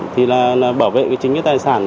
thì là bảo vệ chính cái tài sản